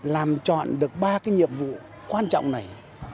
làm chọn được ba cái nhiệm vụ quan trọng này